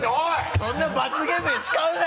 そんな罰ゲームに使うなよ！